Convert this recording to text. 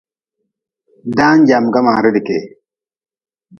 Daan jamga man ridi kee.